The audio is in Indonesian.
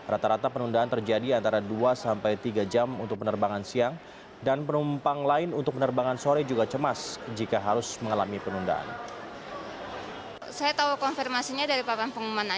rata rata penundaan terjadi antara dua sampai tiga jam untuk penerbangan siang dan penumpang lain untuk penerbangan sore juga cemas jika harus mengalami penundaan